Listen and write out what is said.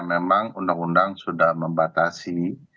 memang undang undang sudah membatasi